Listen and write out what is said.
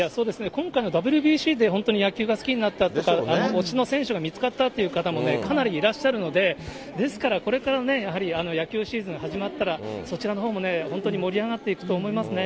今回のＷＢＣで本当に野球が好きになったとか、推しの選手が見つかったという方もかなりいらっしゃるので、ですから、これからね、やはり野球シーズン始まったら、そちらのほうも、本当に盛り上がっていくと思いますね。